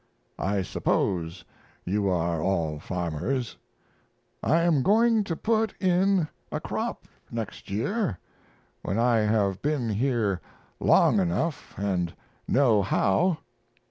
I suppose you are all farmers: I am going to put in a crop next year, when I have been here long enough and know how.